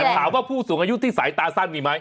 ถามว่าผู้สูงอายุที่สายตาสั้นมีไหม